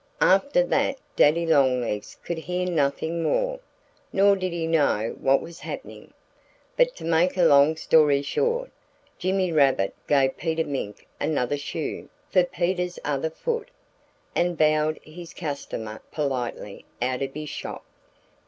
After that Daddy Longlegs could hear nothing more; nor did he know what was happening. But to make a long story short, Jimmy Rabbit gave Peter Mink another shoe for Peter's other foot and bowed his customer politely out of his shop.